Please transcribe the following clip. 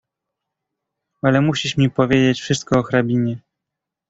"Ale musisz mi powiedzieć wszystko o hrabinie."